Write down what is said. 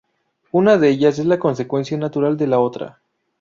Una de ellas es la consecuencia natural de la otra.